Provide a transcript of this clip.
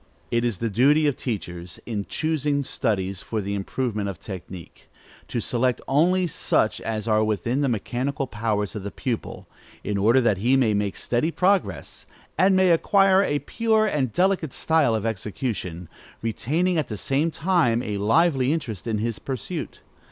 It is the duty of teachers, in choosing studies for the improvement of technique, to select only such as are within the mechanical powers of the pupil, in order that he may make steady progress, and may acquire a pure and delicate style of execution, retaining at the same time a lively interest in his pursuit.